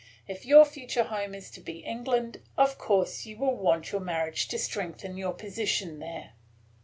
If your future home is to be England, of course you will want your marriage to strengthen your position there."